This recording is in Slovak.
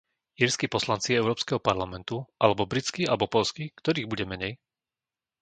Írski poslanci Európskeho parlamentu alebo britskí alebo poľskí, ktorých bude menej?